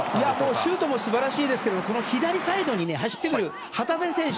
シュートも素晴らしいですが左サイドに走っている旗手選手。